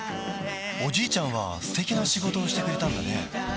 おじいちゃんは素敵な仕事をしてくれたんだね